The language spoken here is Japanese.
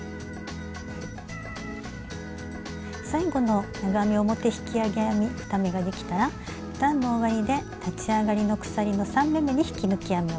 最後の長編み表引き上げ編み２目ができたら段の終わりで立ち上がりの鎖の３目めに引き抜き編みをします。